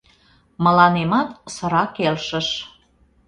Мыланемат сыра келшыш.